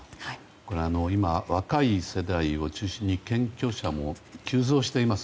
これは今、若い世代を中心に急増しています。